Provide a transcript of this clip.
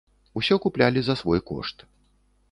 Усё куплялі за свой кошт.